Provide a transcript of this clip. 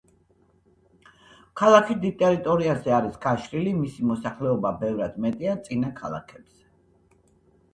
ქალაქი დიდ ტერიტორიაზე არის გაშლილი მისი მოსახლეობა ბევრად მეტია წინა ქალაქებზე.